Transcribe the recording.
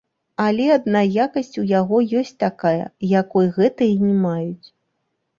Але адна якасць у яго ёсць такая, якой гэтыя не маюць.